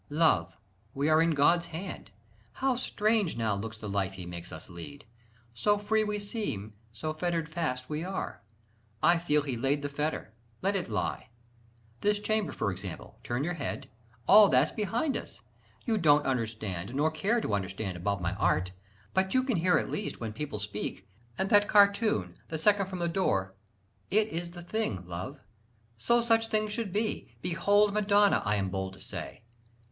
... Love, we are in God's hand. How strange now, looks the life He makes us lead! So free we seem, so fettered fast we are! I feel He laid the fetter: let it lie! This chamber for example turn your head All that's behind us! you don't understand Nor care to understand about my art, But you can hear at least when people speak; And that cartoon, the second from the door It is the thing, Love! so such things should be Behold Madonna, I am bold to say.